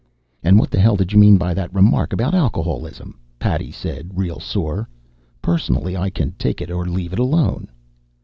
"And what the hell did you mean by that remark about alcoholism?" Paddy said, real sore. "Personally, I can take it or leave it alone."